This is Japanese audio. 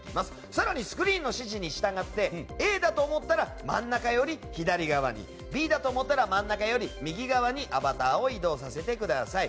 更にスクリーンの指示に従ってＡだと思ったら真ん中より左側にＢだと思ったら真ん中より右側にアバターを移動してください。